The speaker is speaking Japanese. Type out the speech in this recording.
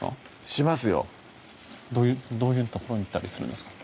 しますよどういう所に行ったりするんですか？